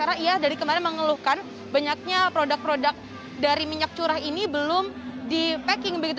karena iya dari kemarin mengeluhkan banyaknya produk produk dari minyak curah ini belum dipacking begitu